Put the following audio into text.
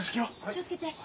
気を付けて。